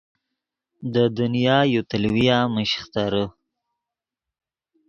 دے دنیا یو تیلویا مہ شیخترے